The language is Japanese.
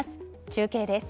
中継です。